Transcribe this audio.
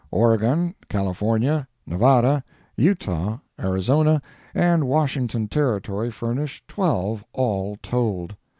Oregon, California, Nevada, Utah, Arizona, and Washington Territory furnish twelve, all told.